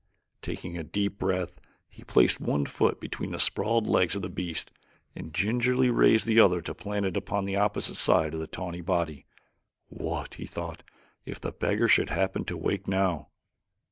Taking a deep breath he placed one foot between the sprawled legs of the beast and gingerly raised the other to plant it upon the opposite side of the tawny body. "What," he thought, "if the beggar should happen to wake now?"